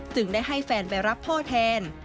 ได้ให้แฟนไปรับพ่อแทน